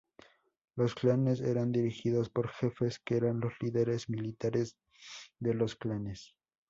Los clanes era dirigidos por jefes, que eran los líderes militares de los clanes.